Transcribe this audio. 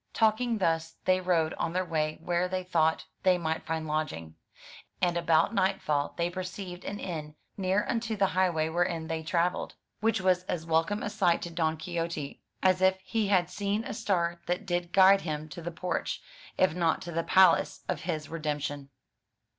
Talking thus they rode on their way where they thought they might find lodging, and about nightfall they perceived an inn near unto the highway wherein they travelled, which was as lOI MY BOOK HOUSE welcome a sight to Don Quixote as if he had seen a star that did guide him to the porch, if not to the palace, of his redemption.